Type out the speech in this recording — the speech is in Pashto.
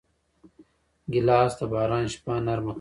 ګیلاس د باران شپه نرمه کوي.